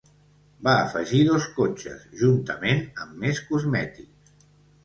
Va afegir dos cotxes, juntament amb més cosmètics.